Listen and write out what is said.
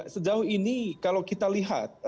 sejauh ini kalau kita lihat